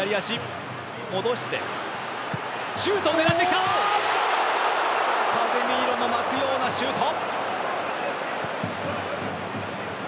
カゼミーロの巻くようなシュート。